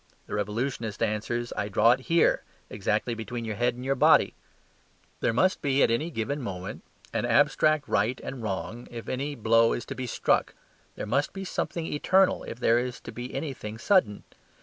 the Revolutionist answers, "I draw it HERE: exactly between your head and body." There must at any given moment be an abstract right and wrong if any blow is to be struck; there must be something eternal if there is to be anything sudden.